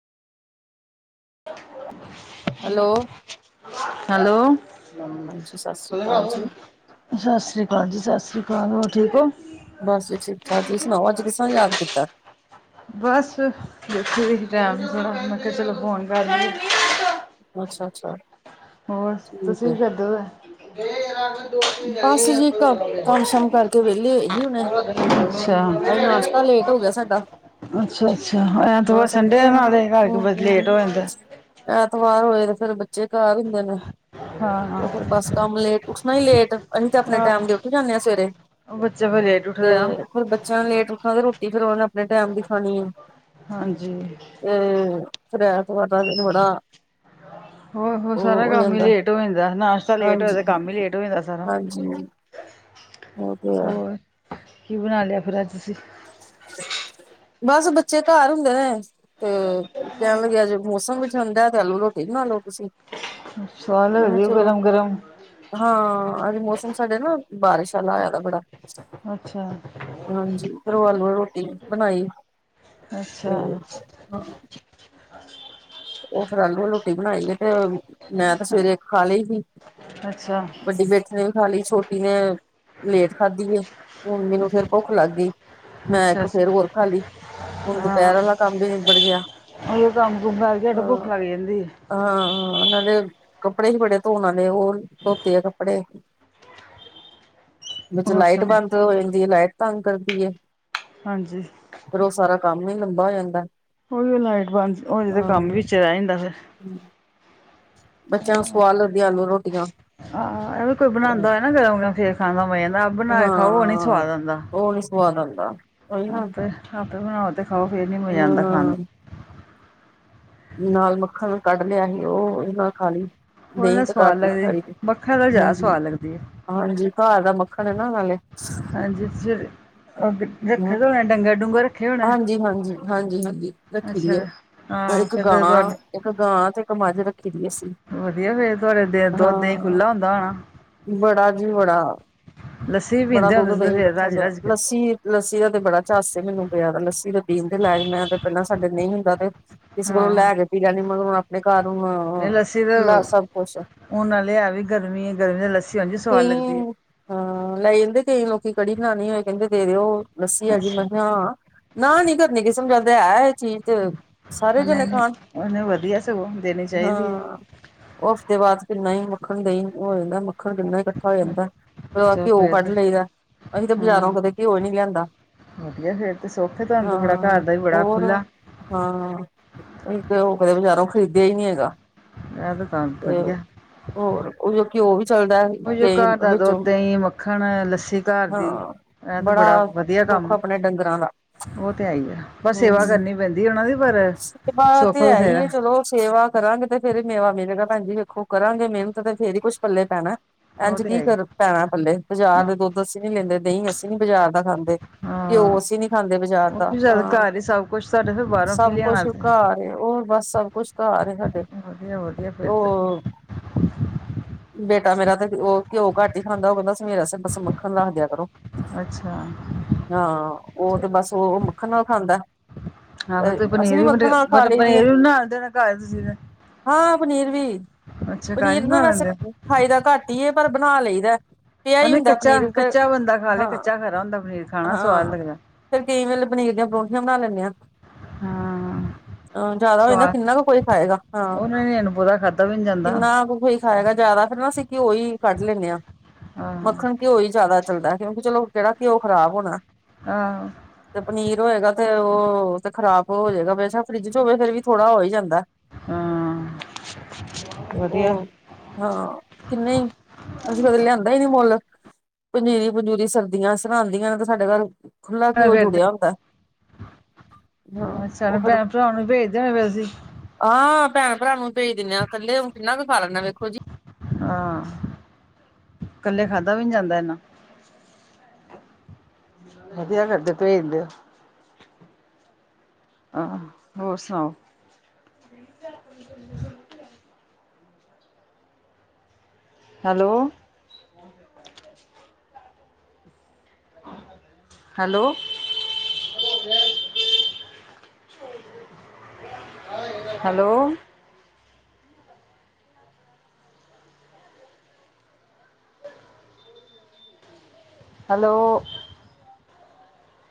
Hello [unintelligible] hello [unintelligible] ਹਾਂਜੀ ਸਤਿ ਸ੍ਰੀ ਅਕਾਲ ਜੀ ਸਾਸਰੀਕਾਲ ਜੀ ਸਾਸਰੀਕਾਲ ਹੋਰ ਠੀਕ ਓ। ਬਸ ਜ ਠੀਕ- ਠਾਕ ਤੁਸੀਂ ਸੁਣਾਓ, ਅੱਜ ਕਿਸਾ ਯਾਦ ਕੀਤਾ। ਬੱਸ ਬੈਠੇ ਸੀ ਟੈਮ ਥੋੜਾ ਮੈਂਖਾ ਚਲੋ ਫੋਨ ਕਰ ਲਈਏ। ਅੱਛਾ- ਅੱਛਾ। ਹੋਰ ਤੁਸੀ ਠੀਕ ਹੈ ਵੀ ਕਰਦੇ ਹੋ ਪਏ। ਬਸ ਜੀ ਘ ਕੰਮ- ਸ਼ਮ ਕਰਕੇ ਵਿਹਲੀ ਹੋਈ ਸੀ ਹੁਣੇ। ਅੱਛਾ, ਅਜ ਨਾਸ਼ਤਾ ਲੇਟ ਹੋ ਗਿਆ ਸਾਡਾ। ਅੱਛਾ ਅੱਛਾ ਹਾਂ ਐਤਵਾਰ ਸੰਡੇ ਐ ਨਾ ਨਾਲ ਏਹ ਕਰਕੇ ਫੇਰ ਹੂੰ ਲੇਟ ਹੋ ਜਾਂਦੈ ਆ। ਐਤਵਾਰ ਹੋਏ ਤੇ ਫੇਰ ਬੱਚੇ ਘਰ ਹੁੰਦੇ ਨੇ। ਹਾਂ, ਤੇ ਫੇਰ ਬੱਸ ਕੰਮ ਲੇਟ ਉੱਠਣਾ ਈ ਲੇਟ। ਅਸੀਂ ਤਾਂ ਆਪਣੇ ਟੈਮ ਦੇ ਉੱਠ ਜਾਨੇ ਆਂ ਸਵੇਰੇ। ਉ ਬੱਚਾ ਵ ਲੇਟ ਤੇ ਉੱਠਦੇ ਆ। ਫਿਰ ਬੱਚਿਆਂ ਨਾ ਲੇਟ ਉੱਠਾਂਗੇ ਤੇ ਰੋਟੀ ਫਿਰ ਉਨੇ ਆਪਣੇ ਟੈਮ ਤੇ ਖਾਣੀ ਆ। ਹਾਂਜੀ ‌। ਅਹ ਤੇ ਫਿਰ ਐਤਵਾਰ ਦਾ ਦਿਨ ਬੜਾ ਹੋਰ ਹੋਰ ਉਹ ਸਾਰਾ ਹੋ ਕੰਮ ਹੀ ਜਾਂਦਾ ਲੇਟ ਹੋ ਜਾਂਦਾ ਨਾਸ਼ਤਾ ਲੇਟ ਹੋਏ ਹਾਂਜੀ ਤੇ ਕੰਮ ਈ ਲੇਟ ਓ ਜਾਂਦੈ ਸਾਰਾ। ਹਾਂਜੀ ਉਹ ਤੇ ਹੈ ਹੋਰ ਕੀ ਬਣਾ ਲਿਆ ਫਿਰ ਅੱਜ ਤੁਸੀਂ। ਬਸ ਬੱਚੇ ਘਰ ਹੁੰਦੇ ਨੇ। ਅਹ ਕਹਿਣ ਲੱਗੇ ਅੱਜ ਮੌਸਮ ਵੀ ਠੰਡਾ ਤੇ ਆਲੂ ਰੋਟੀ ਬਣਾ ਲਉ ਤੁਸੀ। ਸਵਾਦ ਲਗਦੀ ਐ। ਗਰਮ- ਗਰਮ। ਹਾਂ ਅਜ ਮੌਸਮ ਸਾਡੇ ਨਾ ਬਾਰਿਸ਼ ਆਲਾ ਆਇਆ ਗਾ ਬੜਾ। ਅੱਛਾ [unintelligible] ਹਾਂਜੀ ਫਿਰ ਓ ਆਲੂ ਅਲੀ ਰੋਟੀ ਬਣਾਈ ਅੱਛਾ ਤੇਅ ਹ। [unintelligible] ਉਹ ਫਿਰ ਆਲੂ ਆਲੁ ਰੋਟੀ ਬਣਾਈ ਏ ਤੇ ਮੈਂ ਤੇ ਸਵੇਰੇ ਇਕ ਖਾ ਲਈ ਸੀ। ਅੱਛਾ। ਵੱਡੀ ਬੇਟੀ ਨੇ ਵੀ ਖਾ ਲਈ, ਛੋਟੀ ਨੇ ਲੇਟ ਖਾਧੀ ਆ। ਹੁਣ ਮੇਨੂੰ ਫੇਰ ਭੁੱਖ ਲੱਗ ਗਈ ਮੈਂ ਅੱਛਾ ਇੱਕ ਫੇਰ ਹੋਰ ਖਾ ਲਈ। ਉਣ ਦੁਪਹਿਰ ਆਲਾ ਕੰਮ ਵੀ ਨਿਬੜ ਗਿਆ। ਉਅ ਕੰਮ-ਕੁੰਮ ਕਰਕੇ ਹਟੇ ਭੁੱਖ ਲਗ ਜਾਂਦੀ ਐ। ਅਹ ਸਾਡੇ ਕੱਪੜੇ ਸੀ ਬੜੇ ਧੋਣ ਆਲੇ ਉਹ ਧੋਤੇ ਆ ਕੱਪੜੇ। [unintelligible] ਵਿੱਚ ਲਾਈਟ ਸੁਣਾਓ ਬੰਦ ਹੋ ਜਾਂਦੀ ਹੈ ਲਾਈਟ ਤੰਗ ਕਰਦੀ ਐਂ। ਹਾਂਜੀ। ਫਿਰ ਉਹ ਸਾਰਾ ਕੰਮ ਹੀ ਲੰਬਾ ਹੋ ਜਾਂਦਾ। ਉਹੀ ਲਾਈਟ ਬੰਦ ਉਹਜੇ ਤਾਂ ਹਾਂ ਕੰਮ ਵਿਚ ਰਹਿ ਜਾਂਦਾ ਫਿਰ ਬੱਚਿਆਂ ਨੂੰ ਸਵਾਦ ਲੱਗਦੀਆਂ ਆਲੂ ਰੋਟੀਆਂ ਹਾਂ ਹਾਂ ਇਹ ਵੀ ਕੋਈ ਬਣਾਂਦਾ ਐ। ਹਨਾ ਗਰਮ ਗਰਮ ਫੇਰ ਖਾਣ ਦਾ ਮਜ਼ਾ ਆਂਦਾ। ਆਪ ਬਣਾ ਕੇ ਖਾਓ ਉਹ ਨੀ ਹਾਂ ਸਵਾਦ ਆਂਦਾ। ਉਹ ਨੀ ਸਵਾਦ ਆਂਦਾ। ਆਪੇ- ਆਪੇ ਬਣਾਓ ਤੇ ਖਾਓ ਫੇਰ ਨੀ ਮਜ਼ਾ ਆਂਦਾ ਖਾਣ ਦਾ ਹਾਂ ਨਾਲ ਮੱਖਣ ਕੱਢ ਲਿਆ ਸੀ ਉਹ ਉਦੇ ਨਾਲ ਖਾ ਲਈ। ਉਹ ਦਹੀਂ ਨਾ ਘਰ ਸਵਾਦ ਦੀ ਲੱਗਦੀ ਖਾਈ ਦੀ ਮੱਖਣ ਨਾਲ ਜ਼ਿਆਦਾ ਹਾਂਜੀ- ਸਵਾਦ ਲੱਗਦੀ ਹੈ ਹਾਂਜੀ ਘਰ ਦਾ ਮੱਖਣ ਐ ਨਾ ਨਾਲੇ। ਹਾਂਜੀ ਫਿਰ ਰੱਖੇ ਹੋਏ ਡੰਗਰ- ਡੂੰਗਰ ਰੱਖੇ ਹੋਏ। ਹਾਂਜੀ -ਹਾਂਜੀ ਹਾਂਜੀ- ਹਾਂਜੀ ਰੱਖੀ ਅੱਛਾ ਦੀ ਐ। ਹਾਂ ਇੱਕ ਫਿਰ ਤਾਂ ਗਾਂ ਤੁਹਾਡੇ ਇੱਕ ਗਾਂ ਤੇ ਇੱਕ ਮੱਝ ਰੱਖੀ। ਵਧੀਆਂ ਸੀ। ਵਧੀਆ ਫਿਰ ਤੁਹਾਡੇ ਦੁੱਧ-ਦਹੀ ਖੁੱਲਾ ਹੁੰਦਾ ਹੋਣਾ। ਬੜਾ ਜੀ ਬੜਾ, ਲੱਸੀ ਵੀ ਬੜਾ ਪੀਂਦੇ ਹੁੰਦੇ ਸੀ ਦੁੱਧ-ਦਹੀਂ ਫਿਰ ਇਕੱਠਾ ਰੱਜ ਹੁੰਦਾ। ਰੱਜ ਕੇ ਲੱਸੀ ਲੱਸੀ ਦਾ ਤੇ ਬੜਾ ਚਾਅ ਮੈਨੂੰ ਪਿਆ ਲੱਸੀ ਪੀਣ ਦੇ ਲਾਇਕ ਮੈਂ ਤੇ ਪਹਿਲਾਂ ਸਾਡੇ ਨਹੀਂ ਹੁੰਦਾ ਤੇ ਕਿਸੇ ਕੋਲੋਂ ਹਾਂ ਲੈ ਕੇ ਪੀਣ ਨ ਮਤਲਬ ਆਪਣੇ ਘਰ ਨੂੰ ਨਹੀਂ ਲੱਸੀ ਤਾਂ ਹੁੰਦਾ ਸਭ ਕੁਛ। ਹੁਣ ਨਾਲੇ ਆ ਵੀ ਗਰਮੀ-ਗਰਮੀ ਦੀ ਲੱਸੀ ਉਂਝ ਸਵਾਦ ਕਈ ਲੱਗਦੀ ਏ। ਹਾਂ ਲੈ ਜਾਂਦੇ ਕਈ ਲੋਕੀ ਕੜੀ ਬਣਾਉਣੀ ਹੋਏ ਦੇ ਦਿਓ ਲੱਸੀ ਆਗੀ ਮੈਂ ਅੱਛਾ ਕਿਹਾ ਹਾਂ। ਨਾ ਨੀ ਕਰਨੀ ਕਿਸਨੂੰ ਹੈ ਐਹ ਚੀਜ਼ ਤੇ ਸਾਰੇ ਜਣੇ ਹਲੇ ਖਾਣ ਉਹਨੂੰ ਵਧੀਆ ਸਗੋਂ ਦੇਣੀ ਚਾਹੀਦੀ ਐ। ਹਾਂ ਉਹ ਹਫ਼ਤੇ ਬਾਅਦ ਦਹੀਂ-ਮੱਖਣ, ਦਹੀ-ਮੱਖਣ ਹੋ ਜਾਂਦਾ। ਮੱਖਣ ਕਿੰਨਾ ਇਕੱਠਾ ਹੋ ਜਾਂਦਾ। ਫਿਰ ਚਲੋ ਘਿਓ ਫਿਰ ਕੱਢ ਤਾਂ ਲਈਦਾ ਅਸੀਂ ਤਾਂ ਬਾਜ਼ਾਰੋਂ ਹਾਂ ਕਦੇ ਘਿਓ ਨੀ ਲਿਆਂਦਾ। ਵਧੀਆ ਫਿਰ ਤੇ ਸੌਖੇ ਤੁਹਾਨੂੰ ਬੜਾ ਹਾਂ ਘਰ ਦਾ ਵੀ ਬੜਾ ਹੋਰ ਖੁੱਲਾ। ਹਾਂ, ਅਸੀਂ ਤਾਂ ਉਹ ਕਦੇ ਬਜ਼ਾਰੋਂ ਖਰੀਦਿਆ ਹੀ ਨਹੀਂ ਹੈਗਾ। ਆ ਤੇ ਤਾਂ ਤੇ ਵਧੀਆ। ਹੋਰ ਉਹ ਘਿਉ ਵੀ ਚਲਦਾ ਐ। ਉਹੀ ਘਰ ਦਾ ਦੁੱਧ, ਦਹੀ, ਮੱਖਣ, ਲੱਸੀ ਘਰ ਹਾਂ ਦੀ। ਇਹ ਤੇ ਬੜਾ ਵਧੀਆ ਸੁੱਖ ਕੰਮ ਆ, ਆਪਣੇ ਡੰਗਰਾਂ ਦਾ ਉਹ ਤੇ ਹੈ ਹੀ ਆ। ਪਰ ਹਮ ਸੇਵਾ ਕਰਨੀ ਪੈਂਦੀ ਉਹਨਾਂ ਦੀ ਪਰ ਸੁੱਖ ਬਥੇਗਾ। ਉਹ ਸੇਵਾ ਕਰਾਂਗੇ ਤੇ ਫਿਰ ਮੇਵਾ ਮਿਲੇਗਾ ਭੈਣਜੀ ਵੇਖੋ ਕਰਾਂਗੇ ਮਿਹਨਤ ਨੂੰ ਤੇ ਫੇਰ ਹੀ ਕੁੱਛ ਪੱਲੇ ਪੈਣਾ। ਉਹ ਇੰਝ ਤੇ ਹੈ ਕੀ ਹੀ ਕਰ ਪੈਣਾ ਪੱਲੇ ਬਾਜ਼ਾਰ ਹਾਂ ਦੇ ਦੁੱਧ ਅਸੀ ਨੀ ਲੈਂਦੇ ਦਹੀਂ ਅਸੀਂ ਨੀ ਬਾਜ਼ਾਰ ਦਾ ਖਾਂਦੇ। ਦੇ ਘਿਉ ਹਾਂ, ਅਸੀ ਨੀ ਖਾਂਦੇ ਬਜ਼ਾਰ ਉਹ ਦਾ ਵੀ ਜਦ ਹਾਂ। ਘਰ ਹੀ ਸਭ ਕੁਛ ਤੁਹਾਡੇ ਫਿਰ ਬਾਹਰੋਂ ਕੀ ਸਭ ਲਿਆਣਾ ਕੁਛ ਤੇ ਘਰ ਉਹ ਬਸ ਸਭ ਕੁਛ ਘਰ ਆ ਸਾਡੇ। ਵਧੀਆ-ਵਧੀਆ ਫਿਰ ਤਾਂ। ਉਹ ਬੇਟਾ ਮੇਰਾ ਤੇ ਉਹ ਘਿਉ ਘੱਟ ਹੀ ਖਾਂਦਾ ਕਹਿੰਦਾ ਸੀ। ਮੇਰਾ ਸ ਮੱਖਣ ਰੱਖਦਿਆ ਕਰੋ। ਅੱਛਾ। ਹਾਂ ਉਹ ਤੇ ਬਸ ਉਹ ਮੱਖਣ ਨਾਲ ਖਾਂਦਾ। ਹਾਂ ਤੇ ਅਸੀਂ ਪਨੀਰ ਵੀ ਮੱਖਣ ਬ- ਨਾਲ ਖਾ ਬਟ ਲਈ ਦੀ ਹੈ ਪਨੀਰ ਵੀ ਬਣਾਦੇ ਘਰ ਦਾ ਸੀਗਾ। ਹਾਂ ਪਨੀਰ ਵੀ ਹੀ ਪਨੀਰ ਨਾ ਬਣਾ ਵੈਸੇ ਲੈਂਦੇ ਹੋ ਖਾਈ ਦਾ ਘੱਟ ਹੀ ਏ। ਪਰ ਬਣਾ ਲਈਦਾ। ਪਿਆ ਹੀ ਅਰੇ ਹੁੰਦਾ ਪਨੀਰ ਫਿਰ ਕੱਚਾ-ਕੱਚਾ ਬੰਦਾ ਖਾ ਲੈ ਹਾਂ ਕੱਚਾ ਖਰਾ ਹੁੰਦਾ ਪਨੀਰ ਖਾਣਾ ਸਵਾਦ ਹਾਂ ਲੱਗਦਾ। ਫਿਰ ਕਈ ਵਾਰ ਪਨੀਰ ਦੀਆਂ ਪਰੌਂਠੀਆਂ ਬਣਾ ਲੈਣੇ ਆਂ। ਹਾਂ। ਆਂ ਜਿਆਦਾ ਹੋ ਜਾਂਦਾ ਸਵਾਦ ਕਿੰਨਾ ਕੁ ਕੋਈ ਖਾਏਗਾ ਹਾਂ। ਉਹਨਾਂ ਨੇ ਅਣਪੂਰਾ ਖਾਦਾ ਵੀ ਨਹੀਂ ਜਾਂਦਾ ਕਿੰਨਾ ਕੁ ਕੋਈ ਖਾਏਗਾ ਜ਼ਿਆਦਾ ਫਿਰ ਨਾ ਅਸੀ ਘਿਓ ਹੀ ਕੱਢ ਲੈਂਦੇ ਹਾਂ। ਹਾਂ ਮੱਖਣ- ਘਿਓ ਹੀ ਜ਼ਿਆਦਾ ਚੱਲਦਾ ਕਿਉਕਿ ਚਲੋ ਕਿਹੜਾ ਘਿਓ ਖ਼ਰਾਬ ਹੋਣਾ। ਹਾਂ। ਤੇ ਪਨੀਰ ਹੋਏਗਾ ਤੇ ਉਹ ਤੇ ਖਰਾਬ ਹੋਜੇਗਾ ਬੇਸ਼ੱਕ ਫਰਿੱਜ ਚ ਹੋਵੇ ਫਿਰ ਵੀ ਥੋੜਾ ਹੋ ਹੀ ਜਾਂਦਾ। ਹਾਂ ਤੇ ਵਧੀਆ ਉਹ ਹਾਂ, ਕਿੰਨੇ ਹੀ ਅਸੀ ਕਦੇ ਲਿਆਂਦਾ ਹੀ ਨਹੀਂ ਮੁੱਲ। ਪੰਜੀਰੀ-ਪੰਜੂਰੀ ਸਰਦੀਆਂ ਸਰਾਉਦੀਆਂ ਨੇ ਤੇ ਸਾਡੇ ਘਰ ਖੁੱਲਾ ਘਿਓ ਫਿਰ ਤੇ ਜੁੜਿਆ ਹੁੰਦਾ। ਹਾਂ ਅੱਛਾ ਤੇ ਉਹ ਫਿਰ ਭੈਣ-ਭਰਾਵਾ ਨੂੰ ਭੇਜਦੇ ਹੋਣੇ ਫਿਰ ਤੁਸੀ। ਹਾਂ, ਭੈਣ-ਭਰਾਵਾਂ ਨੂੰ ਭੇਜ ਦਿੰਦੇ ਆ। ਇਕੱਲੇ ਹੁਣ ਕਿੰਨਾ ਕੁ ਖਾ ਲੈਦਾ ਵੇਖੋ ਜੀ। ਹਾਂ, ਕੱਲੇ ਖਾਧਾ ਵੀ ਨੀ ਜਾਂਦਾ ਐਨਾ। ਵਧੀਆ ਕਰਦੇ ਓਹ ਭੇਜ ਦਿਉ। ਹਾਂ ਹੋਰ ਸੁਣਾਓ। [inaudible] ਹੈਲੋ। ਹੈਲੋ। ਹੈਲੋ। ਹੈਲੋ।